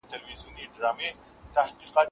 د ګیله من شهید په غیابي جنازه کي